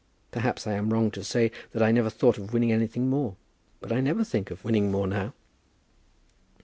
Perhaps I am wrong to say that I never thought of winning anything more; but I never think of winning more now."